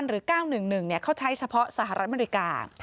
หรือ๙๑๑เขาใช้เฉพาะสหรัฐอเมริกา